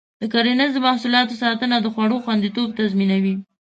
د کرنیزو محصولاتو ساتنه د خوړو خوندیتوب تضمینوي.